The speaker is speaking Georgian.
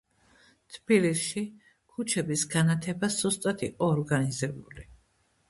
თბილისში ქუჩების განათება სუსტად იყო ორგანიზებული.